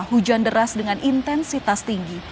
hujan deras dengan intensitas tinggi